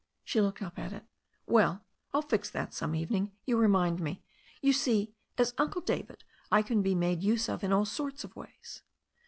She looked up at it. "Well, I'll fix that some evening. You remind me. You see, as Uncle David^ I can be made use of in all sorts of ways."